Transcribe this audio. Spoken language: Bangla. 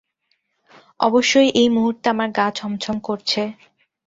অবশ্য এই মুহূর্তে আমার গা ছমছম করছে।